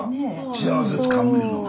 幸せつかむいうの。